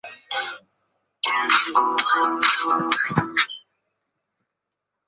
阿留申低压是位于北半球白令海邻近阿留申群岛在冬季所产生的半永久性低压系统。